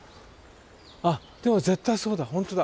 あっでも絶対そうだ本当だ。